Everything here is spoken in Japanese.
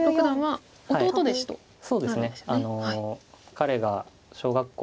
彼が小学校